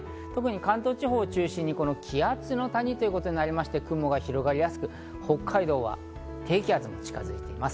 関東地方を中心に気圧の谷ということになりまして、雲が広がりやすく、北海道は低気圧も近づいています。